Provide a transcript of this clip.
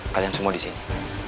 kalian semua di sini